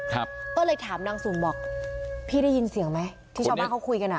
ครับก็เลยถามนางสุ่มบอกพี่ได้ยินเสียงไหมที่ชาวบ้านเขาคุยกันอ่ะ